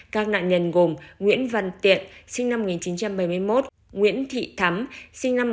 các nạn nhân gồm nguyễn văn tiện sinh năm một nghìn chín trăm bảy mươi một nguyễn thị thắm sinh năm một nghìn chín trăm tám mươi